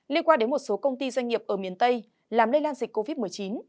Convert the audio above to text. liên quan đến một số công ty doanh nghiệp ở miền tây làm lây lan dịch covid một mươi chín